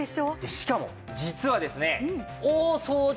しかも実はですね大掃除